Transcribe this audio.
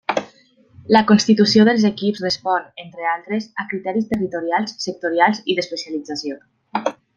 La constitució dels equips respon, entre altres, a criteris territorials, sectorials i d'especialització.